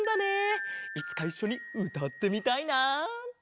いつかいっしょにうたってみたいな！